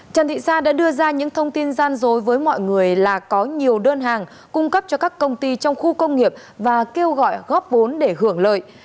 trần thị sa đã đưa ra những thông tin gian dối với mọi người là có nhiều đơn hàng cung cấp cho các công ty trong khu công nghiệp và kêu gọi góp vốn để hưởng lợi